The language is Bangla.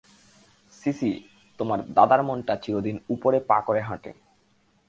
সিসি, তোমার দাদার মনটা চিরদিন উপরে পা করে হাঁটে।